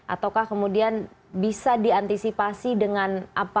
ataukah kemudian bisa diantisipasi dengan apa